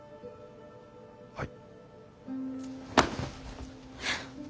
はい。